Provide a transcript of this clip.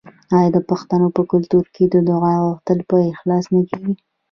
آیا د پښتنو په کلتور کې د دعا غوښتل په اخلاص نه کیږي؟